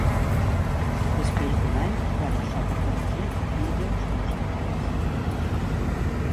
Després d'un any ho va deixar per dirigir vídeos musicals.